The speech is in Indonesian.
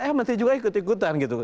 eh menteri juga ikut ikutan gitu